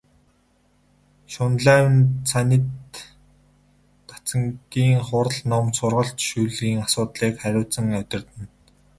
Шунлайв нь цанид дацангийн хурал ном, сургалт шүүлгийн асуудлыг хариуцан удирдана.